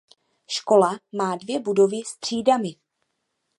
Škola má dvě budovy s třídami.